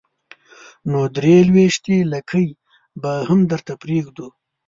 نو درې لوېشتې لکۍ به هم درته پرېږدو.